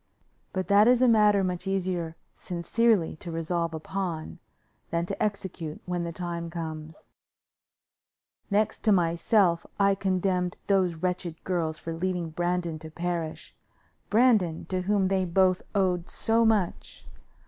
But that is a matter much easier sincerely to resolve upon than to execute when the time comes. Next to myself, I condemned those wretched girls for leaving Brandon to perish Brandon, to whom they both owed so much.